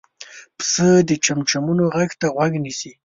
پسه د چمچمو غږ ته غوږ نیسي.